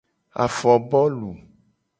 Afobolu.